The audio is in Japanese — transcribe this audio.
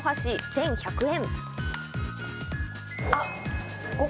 １１００円。